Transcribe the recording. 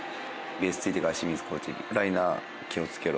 ベースついてから清水コーチに「ライナー気を付けろ」。